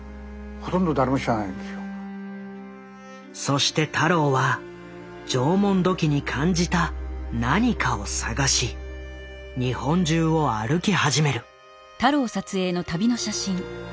そして太郎は縄文土器に感じた何かを探し日本中を歩き始める。